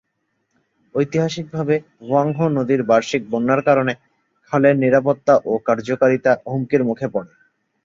ঐতিহাসিকভাবে হুয়াংহো নদীর বার্ষিক বন্যার কারণে খালের নিরাপত্তা ও কার্যকারিতা হুমকির মুখে পড়ে।